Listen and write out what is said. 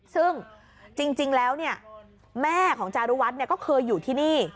ซึ่งจริงแล้วแม่ของจารุวัฒน์ก็เคยอยู่ที่นี่